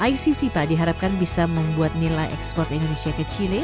iccpa diharapkan bisa membuat nilai ekspor indonesia ke chile